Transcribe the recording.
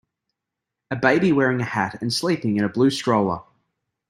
A baby wearing a hat and sleeping in a blue stroller.